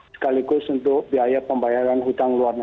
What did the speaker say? sekaligus untuk biaya pembayaran hutang luar negeri